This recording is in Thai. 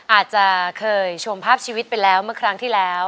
อาจจะเคยชมภาพชีวิตไปแล้วเมื่อครั้งที่แล้ว